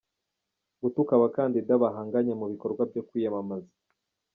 Gutuka abakandida bahanganye mu bikorwa byo kwiyamamaza.